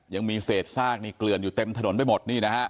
ยังมีเสธทราบเกลือนอยู่เต็มถนนไปหมด